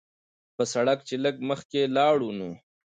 پۀ سړک چې لږ مخکښې لاړو نو